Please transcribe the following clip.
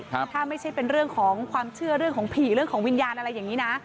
ถ้าไม่ใช่เป็นเรื่องของความเชื่อเรื่องของผีเรื่องของวิญญาณอะไรอย่างนี้นะ